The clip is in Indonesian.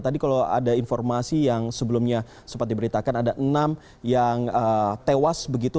tadi kalau ada informasi yang sebelumnya sempat diberitakan ada enam yang tewas begitu